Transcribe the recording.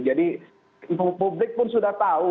publik pun sudah tahu